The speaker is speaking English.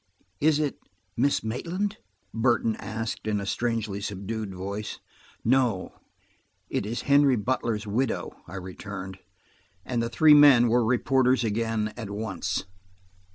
"Is it–Miss Maitland?" Burton asked, in a strangely subdued voice. "No; it is Henry Butler's widow," I returned, and the three men were reporters again, at once.